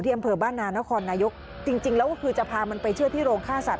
อำเภอบ้านนานครนายกจริงแล้วก็คือจะพามันไปเชื่อที่โรงฆ่าสัต